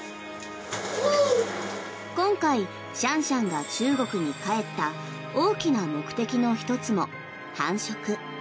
今回、シャンシャンが中国に帰った大きな目的の１つも繁殖。